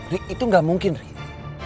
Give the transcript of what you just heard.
riz itu gak mungkin riz